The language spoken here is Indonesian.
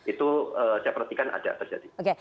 itu saya perhatikan ada terjadi